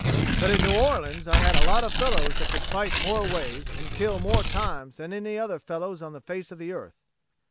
but at New Orleans I had a lot of fellows that could fight more ways and kill more times than any other fellows on the face of the earth."